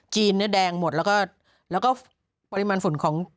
จีนนี่แดงหมดแล้วก็ปริมาณฝุ่นของ